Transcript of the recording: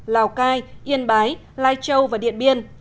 lào cai yên bái lai châu và điện biên